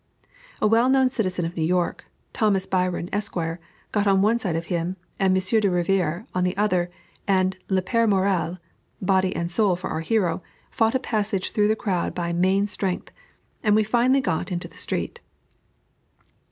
A well known citizen of New York, Thomas Bryan, Esq., got on one side of him and M. de Rivière on the other, and "Le Père Morel," body and soul for our hero fought a passage through the crowd by main strength, and we finally got into the street.